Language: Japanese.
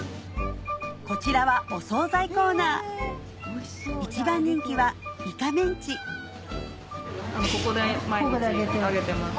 こちらはお総菜コーナー一番人気はイカメンチここで毎日揚げてます。